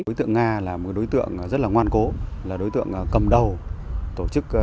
đối tượng nga là một đối tượng rất là ngoan cố là đối tượng cầm đầu